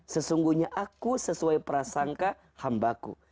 sesungguhnya aku sesuai prasangka hambaku